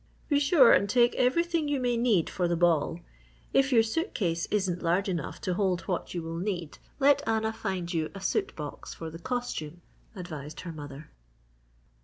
"Be sure and take everything you may need for the ball. If your suit case isn't large enough to hold what you will need let Anna find you a suit box for the costume," advised her mother.